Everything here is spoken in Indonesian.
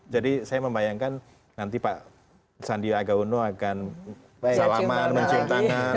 jadi saya membayangkan nanti pak sandi aga uno akan salaman mencium tangan